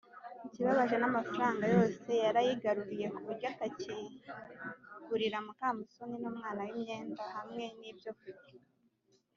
ikibabaje, n’amafaranga yose yarayigaruriye k’uburyo atanakigurira mukamusoni n’umwana we imyenda hamwe n’ibyo kurya.